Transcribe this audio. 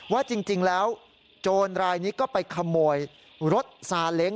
ว่าจริงแล้วโจรรายนี้ก็ไปขโมยรถซาเล้ง